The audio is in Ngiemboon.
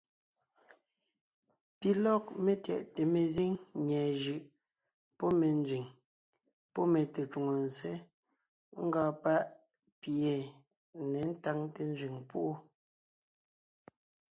Lɔg metyɛʼte mezíŋ nyɛ̀ɛ jʉʼ, pɔ́ me nzẅìŋ, pɔ́ me tecwòŋo nzsé ngɔɔn páʼ pi yé ně táŋte nzẅìŋ púʼu.